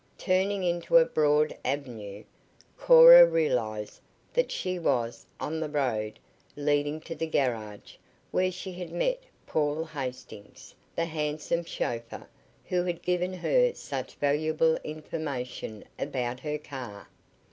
Turning into a broad avenue, Cora realized that she was on the road leading to the garage where she had met Paul Hastings, the handsome chauffeur who had given her such valuable information about her car.